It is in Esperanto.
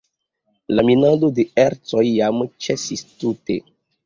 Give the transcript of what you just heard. La minado de ercoj jam ĉesis tute.